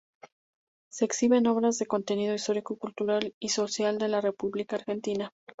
Se exhiben obras de contenido histórico, cultural y social de la República Argentina.